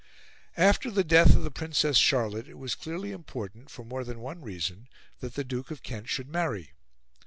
After the death of the Princess Charlotte it was clearly important, for more than one reason, that the Duke of Kent should marry.